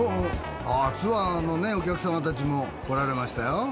あっツアーのねお客さまたちも来られましたよ。